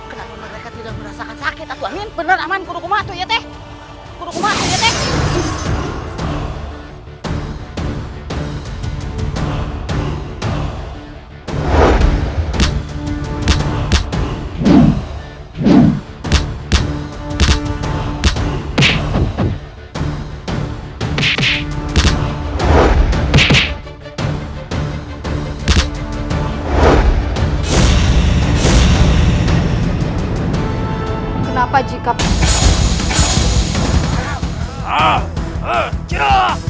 kenapa mereka tidak merasakan sakit